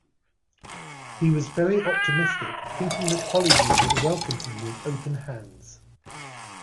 He was very optimistic thinking that Hollywood would welcome him with open hands.